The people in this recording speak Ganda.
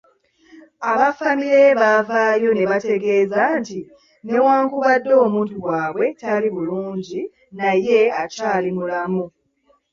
Aba ffamire ye bavaayo nebatangaaza nti newankubadde omuntu waabwe tali bulungi, naye akyali mulamu.